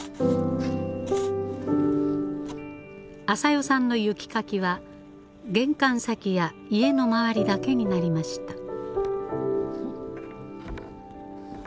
あさよさんの雪かきは玄関先や家の周りだけになりました。